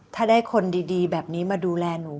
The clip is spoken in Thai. ถ้าได้คนดีแบบนี้มาดูแลหนู